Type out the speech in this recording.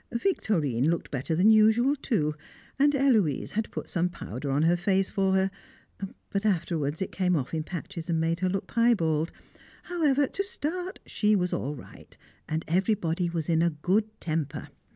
Victorine looked better than usual too, and Héloise had put some powder on her face for her, but afterwards it came off in patches and made her look piebald; however, to start she was all right, and everybody was in a good temper.